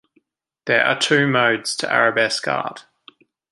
There are two modes to arabesque art.